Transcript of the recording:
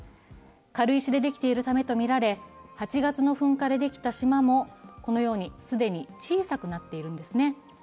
軽石でできているためとみられ８月の噴火でできた島もこのように既に小さくなっているんですね。